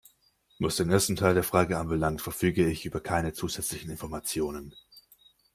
Was den ersten Teil der Frage anbelangt, verfüge ich über keine zusätzlichen Informationen.